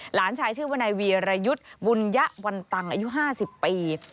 หลานชายชื่อวนายวีรยุทธ์บุญยะวันตังอายุ๕๐ปี